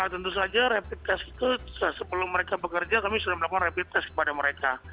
tentu saja repit test itu sebelum mereka bekerja vijaya maja dan fitri manera melakukan repit test pada mereka